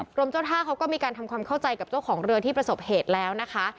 กรมเจ้าท่าเขาก็มีการทำความเข้าใจกับเจ้าของเรือที่ประสบเหตุแล้วนะคะ